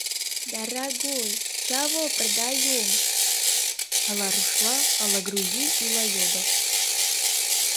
— Дарагой, чаго продаем? — ала рушла, ала грузи ила йодо.